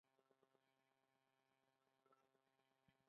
علي د خپلو کارونو نه اوږې سپکې کړلې.